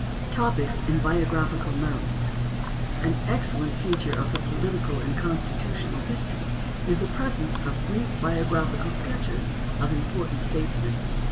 Topics and Biographical Notes. An excellent feature of the political and constitutional history is the presence of brief biographical sketches of important statesmen.